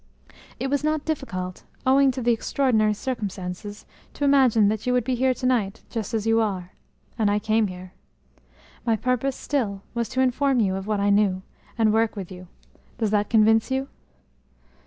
It was not difficult, owing to the extraordinary circumstances, to imagine that you would be here to night just as you are and I came here. My purpose, still, was to inform you of what I knew, and work with you. Does that convince you?"